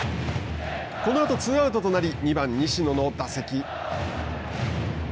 このあとツーアウトとなり２番西野の打席。